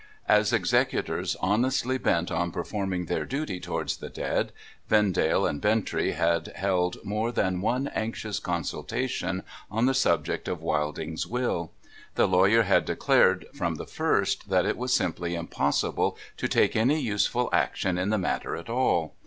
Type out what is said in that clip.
As executors honestly bent on performing their duty towards the dead, Vendale and Bintrey had held more than one anxious consul tation on the subject of Wilding's will. The lawyer had declared, from the first, that it was simply impossible to take any useful action in the matter at all.